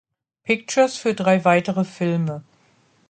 Pictures für drei weitere Filme.